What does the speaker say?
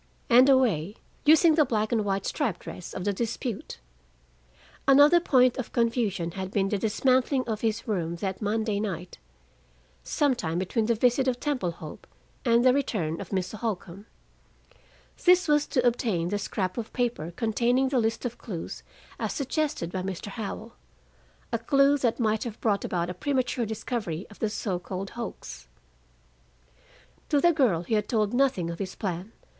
And a way using the black and white striped dress of the dispute. Another point of confusion had been the dismantling of his room that Monday night, some time between the visit of Temple Hope and the return of Mr. Holcombe. This was to obtain the scrap of paper containing the list of clues as suggested by Mr. Howell, a clue that might have brought about a premature discovery of the so called hoax. To the girl he had told nothing of his plan.